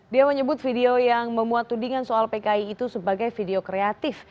dia menyebut video yang memuat tudingan soal pki itu sebagai video kreatif